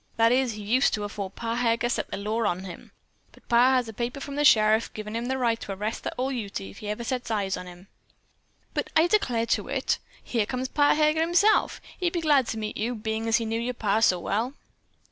That is, he used to afore Pa Heger set the law on him. Pa has a paper from the sheriff, givin' him the right to arrest that ol' Ute if he ever sets eyes on him. "But I declare to it! Here comes Pa Heger himself. He'll be glad to meet you, bein' as he knew your pa so well."